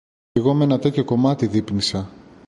Κι εγώ μ' ένα τέτοιο κομμάτι δείπνησα.